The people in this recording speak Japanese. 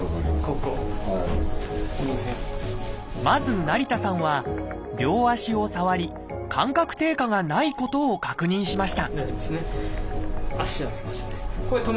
まず成田さんは両足を触り感覚低下がないことを確認しました